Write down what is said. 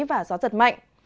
và gió giật mạnh